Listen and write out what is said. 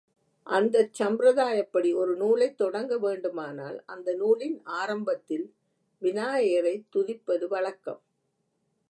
அந்தச் சம்பிரதாயப்படி, ஒரு நூலைத் தொடங்க வேண்டுமானால் அந்த நூலின் ஆரம்பத்தில் விநாயகரைத் துதிப்பது வழக்கம்.